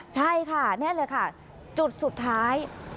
ใช่ค่ะแน่นแล้วค่ะจุดสุดท้าย